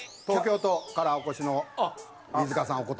東京都からお越しの飯塚さん